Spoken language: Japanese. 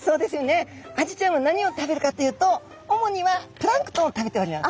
アジちゃんは何を食べるかというと主にはプランクトンを食べております。